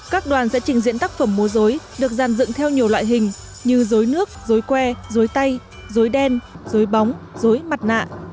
các đoàn sẽ trình diễn tác phẩm mối rối được dàn dựng theo nhiều loại hình như rối nước rối que rối tay rối đen rối bóng rối mặt nạ